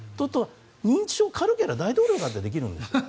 認知症軽ければ大統領だってできるんです。